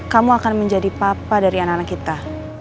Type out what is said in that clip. kamu akan menjadi papa dari anak anak kita